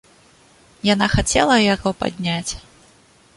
Яна хацела яго падняць.